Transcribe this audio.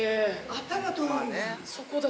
頭取るんだ。